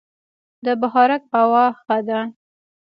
د بهارک هوا ښه ده